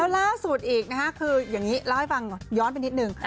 ล่าสุดอีกนะคะคืออย่างนี้เล่าให้ฟังย้อนไปนิดนึง